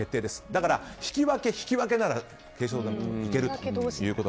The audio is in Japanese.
だから、引き分け、引き分けなら決勝トーナメント行けると。